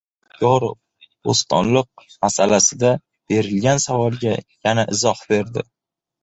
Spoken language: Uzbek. Yodgorov «Bo‘stonliq masalasi»da berilgan savolga yana izoh berdi